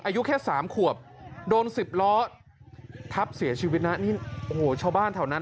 อายุแค่สามขวบโดนสิบล้อทับเสียชีวิตนะนี่โอ้โหชาวบ้านแถวนั้น